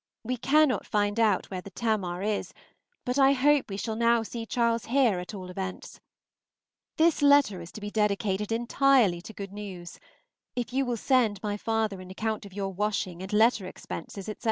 We cannot find out where the "Tamar" is, but I hope we shall now see Charles here at all events. This letter is to be dedicated entirely to good news. If you will send my father an account of your washing and letter expenses, etc.